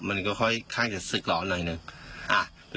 มันก็ค่อนข้างจะศึกร้อนหน่อยหนึ่ง